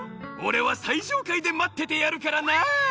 おれはさいじょうかいでまっててやるからな！